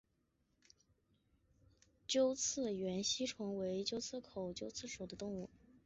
鸻刺缘吸虫为棘口科刺缘属的动物。